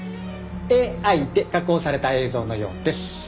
ＡＩで加工された映像のようです。